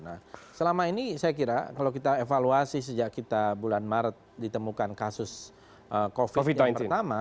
nah selama ini saya kira kalau kita evaluasi sejak kita bulan maret ditemukan kasus covid yang pertama